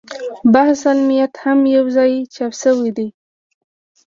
بحث المیت هم یو ځای چاپ شوی دی.